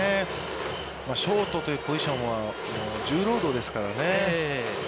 ショートというポジションは重労働ですからね。